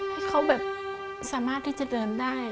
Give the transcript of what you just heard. ให้เขาแบบสามารถที่จะเดินได้